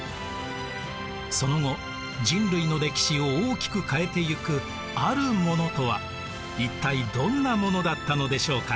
その後人類の歴史を大きく変えていくあるものとは一体どんなものだったのでしょうか？